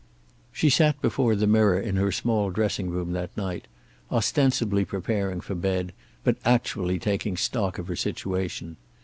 She sat before the mirror in her small dressing room that night, ostensibly preparing for bed but actually taking stock of her situation.